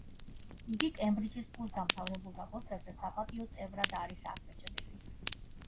იგი კემბრიჯის კურსდამთავრებულთა პოსტერზე საპატიო წევრად არის აღბეჭდილი.